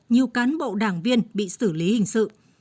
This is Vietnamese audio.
nhiều cán bộ đảng viên bị xử lý hình sự